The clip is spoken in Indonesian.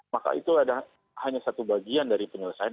maka itu hanya satu bagian dari penyelesaian